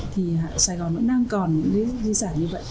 thì sài gòn nó đang còn những cái di sản như vậy